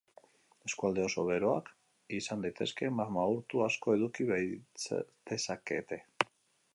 Eskualde oso beroak izan daitezke, magma urtu asko eduki baitezakete.